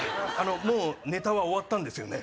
もうネタは終わったんですよね？